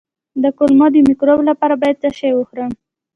د کولمو د مکروب لپاره باید څه شی وخورم؟